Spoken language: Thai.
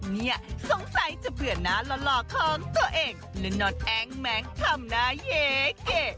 เนี่ยสงสัยจะเบื่อหน้าหล่อของตัวเองและนอนแอ้งแม้งทำหน้าเย้เก๋